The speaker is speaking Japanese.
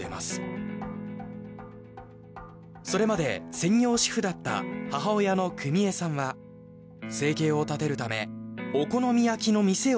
それまで専業主婦だった母親の久美江さんは生計を立てるためお好み焼きの店をオープン。